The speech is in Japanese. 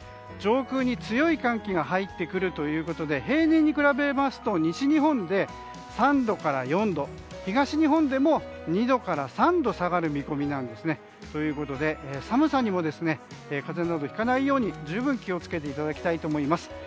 上空に強い寒気が入ってくるということで平年に比べますと西日本で３度から４度東日本でも２度から３度下がる見込みなんですね。ということで寒さにも風邪などひかないように十分気を付けていただきたいと思います。